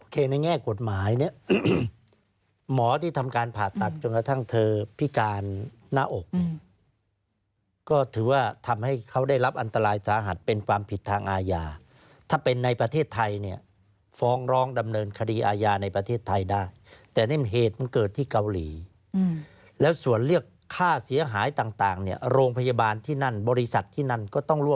ในแง่กฎหมายเนี่ยหมอที่ทำการผ่าตัดจนกระทั่งเธอพิการหน้าอกก็ถือว่าทำให้เขาได้รับอันตรายสาหัสเป็นความผิดทางอาญาถ้าเป็นในประเทศไทยเนี่ยฟ้องร้องดำเนินคดีอาญาในประเทศไทยได้แต่นี่เหตุมันเกิดที่เกาหลีแล้วส่วนเรียกค่าเสียหายต่างเนี่ยโรงพยาบาลที่นั่นบริษัทที่นั่นก็ต้องร่